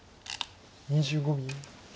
２５秒。